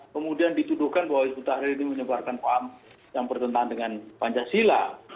kemudian dituduhkan bahwa hizbut tahrir ini menyebarkan paham yang bertentangan dengan pancasila